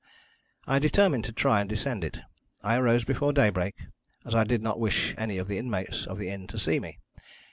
I determined to try and descend it. I arose before daybreak, as I did not wish any of the inmates of the inn to see me.